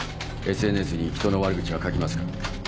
ＳＮＳに人の悪口は書きますか？